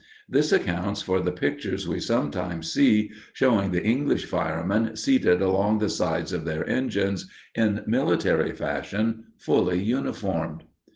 This accounts for the pictures we sometimes see, showing the English firemen seated along the sides of their engines, in military fashion, fully uniformed.